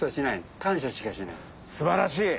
素晴らしい！